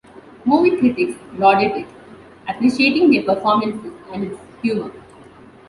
Movie critics lauded it, appreciating their performances and its humor.